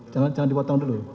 jangan dipotong dulu